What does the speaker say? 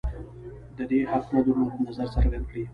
د دې حق نه درلود نظر څرګند کړي